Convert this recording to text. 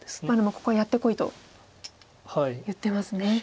まあでもここはやってこいと言ってますね。